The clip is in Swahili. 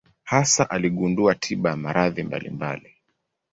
Hasa aligundua tiba ya maradhi mbalimbali.